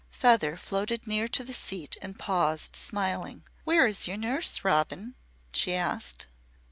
Feather floated near to the seat and paused, smiling. "Where is your nurse, Robin?" she asked.